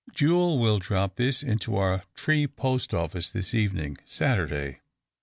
Jule will drop this into our tree post office this evening Saturday.